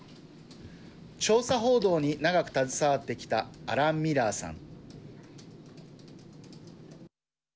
調査報道に長く携わってきたアラン・ミラーさん。